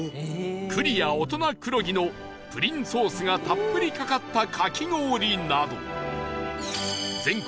ｏｔｏｎａくろぎのプリンソースがたっぷりかかった、かき氷など全国